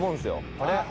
あれ？